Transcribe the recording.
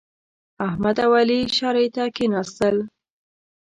احمد او علي شرعې ته کېناستل.